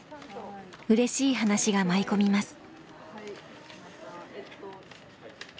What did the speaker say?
うれしい話が舞い込みます。